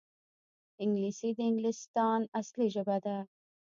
انګلیسي د انګلستان اصلي ژبه ده